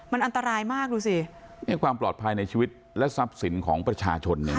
มันอันตรายมากดูสิเนี่ยความปลอดภัยในชีวิตและทรัพย์สินของประชาชนเนี่ย